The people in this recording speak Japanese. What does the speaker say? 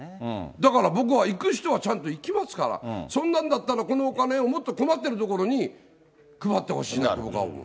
だから僕は、行く人はちゃんと行きますから、そんなんだったら、このお金をもっと困ってるところに配ってほしいなと僕は思う。